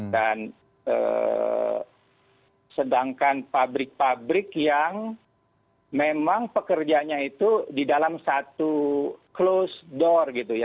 dan sedangkan pabrik pabrik yang memang pekerjanya itu di dalam satu closed door